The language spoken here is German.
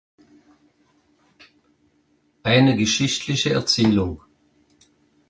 Eine geschichtliche Erzählung.